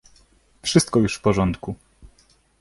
"Wszystko już w porządku."